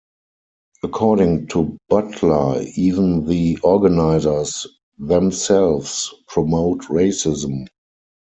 According to Butler, even the organizers themselves promote racism.